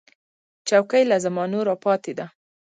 چوکۍ له زمانو راپاتې ده.